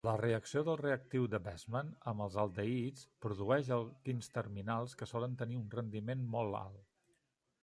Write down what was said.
La reacció del reactiu de Bestmann amb els aldehids produeix alquins terminals que solen tenir un rendiment molt alt.